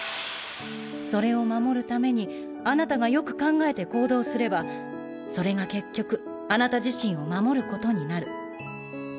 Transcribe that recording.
それを守るためにあなたがよく考えて行動すればそれが結局あなた自身を守ることになる